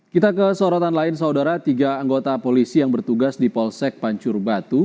kita ke sorotan lain saudara tiga anggota polisi yang bertugas di polsek pancur batu